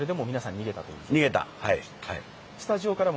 逃げた。